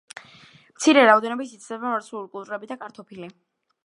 მცირე რაოდენობით ითესება მარცვლეული კულტურები და კარტოფილი.